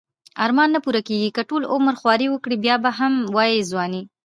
ارمان نه پوره کیږی که ټول عمر خواری وکړی بیا به هم وایی ځوانی